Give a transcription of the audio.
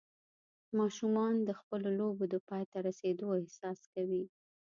ماشومان د خپلو لوبو د پای ته رسېدو احساس کوي.